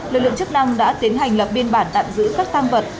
lực lượng chức năng đã tiến hành lập biên bản tạm giữ các tăng vật